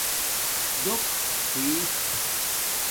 ڈݸک ہوئ